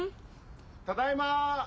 ・ただいま！